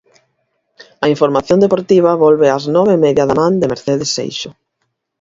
A información deportiva volve ás nove e media da man de Mercedes Seixo.